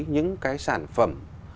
những cái sản phẩm